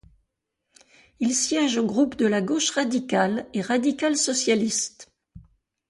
Il siège au groupe de la Gauche radicale et radicale-socialiste.